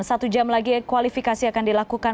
satu jam lagi kualifikasi akan dilakukan